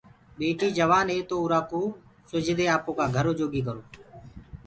ٻٽيٚ جوآن هي تو اُرا ڪو سُجھدي آپو ڪآ گھرو جوگي ڪرو۔